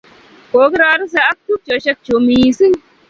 Kokirorise ak tupchosyek chuk missing'.